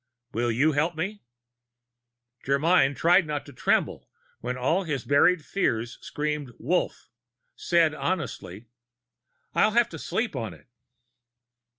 Will you help me?" Germyn, trying not to tremble when all his buried fears screamed Wolf!, said honestly: "I'll have to sleep on it."